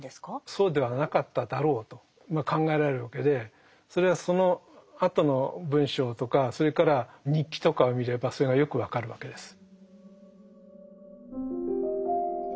そうではなかっただろうと考えられるわけでそれはそのあとの文章とかそれから日記とかを見ればそれがよく分かるわけです。